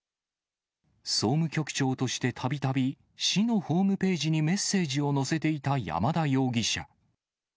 総務局長として、たびたび、市のホームページにメッセージを載せていた山田容疑者。